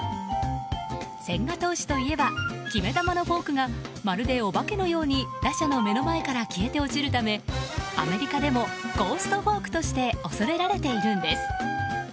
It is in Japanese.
千賀投手といえば決め球のフォークがまるでお化けのように打者の目の前から消えて落ちるためアメリカでもゴーストフォークとして恐れられているんです。